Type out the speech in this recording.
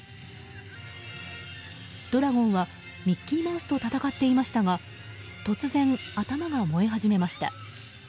ドラゴンは、ミッキーマウスと戦っていましたが突然、頭が燃え始めました。